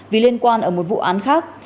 vì liên quan ở một vụ án khác